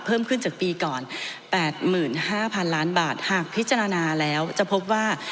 เพิ่มขึ้นจากปีก่อน๘๕๐๐๐ล้านบาทหากพิจารณาแล้วจะพบว่า